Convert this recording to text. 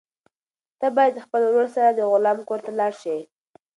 ته باید د خپل ورور سره د غلام کور ته لاړ شې.